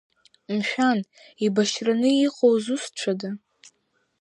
Мшәан, еибашьраны иҟоу зусҭцәада?